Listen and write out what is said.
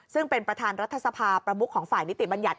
ซึ่งเป็นประธานรัฐสภาประมุขของฝ่ายนิติบัญญัติ